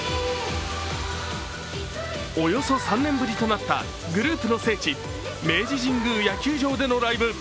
およそ３年ぶりとなったグループの聖地・明治神宮野球場でのライブ。